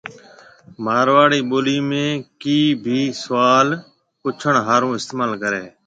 مارواڙي ٻولِي ۾ ”ڪِي“ ڀِي سوال پُڇڻ هارون استمعال ڪريَ۔